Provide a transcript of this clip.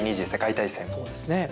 そうですね。